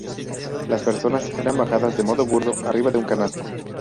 Las personas eran bajadas de modo burdo arriba de un canasto.